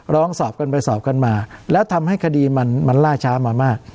ร้องสอบกันไปสอบกันมาแล้วทำให้คดีมันล่าช้ามามาก